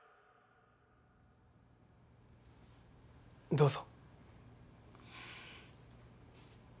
どうぞ。